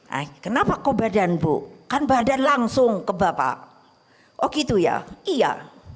hai kenapa kau badan bu kan badan langsung ke bapak oh gitu ya iya